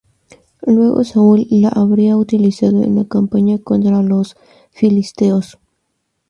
Luego Saúl la habría utilizado en la campaña contra los filisteos.